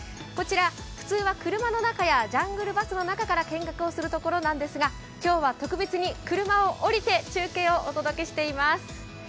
こちら、普通は車の中やジャングルバスの中から動物を見る場所なのですが今日は特別に車を降りて中継をお届けしています。